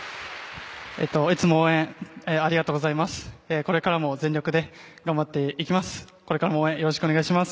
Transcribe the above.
これからも全力で頑張っていきます。